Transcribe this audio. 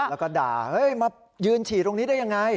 แล้วก็ด่าเฮ้ยมายืนฉี่ตรงนี้ได้ยังไง